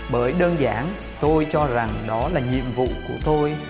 bởi đơn giản tôi cho rằng đó là nhiệm vụ của tôi